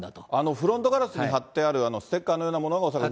フロントガラスに貼ってあるステッカーのようなものが恐らく。